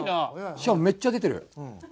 しかもめっちゃ出てる。